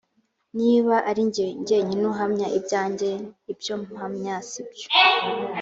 niba ari jye jyenyine uhamya ibyanjye ibyo mpamya sibyo